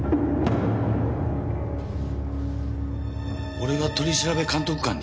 俺が取調監督官に？